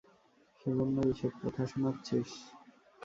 সেজন্যই এসব কথা শোনাচ্ছিস?